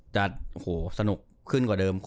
จะสนุกขึ้นกว่าเดิม